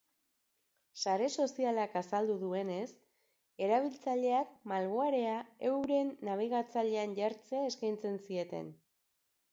Sare sozialak azaldu duenez, erabiltzaileak malwarea euren nabigatzailean jartzea eskaintzen zieten.